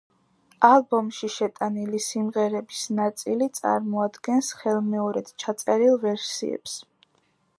ალბომში შეტანილი სიმღერების ნაწილი წარმოადგენს ხელმეორედ ჩაწერილ ვერსიებს.